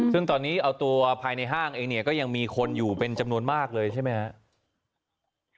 ซึ่งตอนนี้เอาตัวภายในห้างเองเนี่ยก็ยังมีคนอยู่เป็นจำนวนมากเลยใช่ไหมครับ